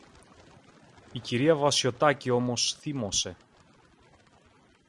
Η κυρία Βασιωτάκη όμως θύμωσε.